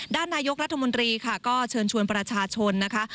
ด้านนายกรัฐมนตรีค่ะก็เชิญชวนประชาชนนะคะ